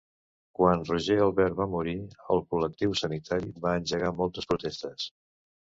Quan Roger Albert va morir, el col·lectiu sanitari va engegar moltes protestes.